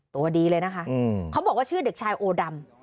ตัวดีเลยนะคะเขาบอกว่าชื่อเด็กชายโอดำ